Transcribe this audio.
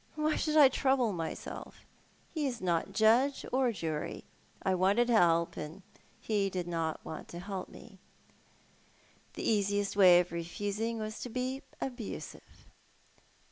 "Why should I trouble myself? He is not judge or jury. I wanted help, and he didn't want to help me. The easiest way of refusing was to be abusive.